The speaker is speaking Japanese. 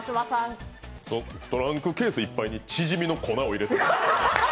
トランクケースいっぱいにチヂミの粉を入れてた？